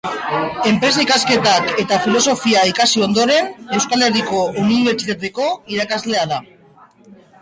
Enpresa-ikasketak eta filosofia ikasi ondoren, Euskal Herriko Unibertsitateko irakaslea da.